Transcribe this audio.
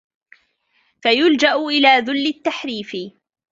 فَيُلْجَأَ إلَى ذُلِّ التَّحْرِيفِ